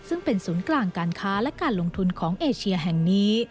ซึ่งเป็นศูนย์กลางการค้าและการลงทุนของเอเชียแห่งนี้